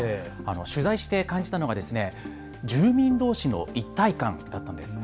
取材して感じたのは住民どうしの一体感だったんです。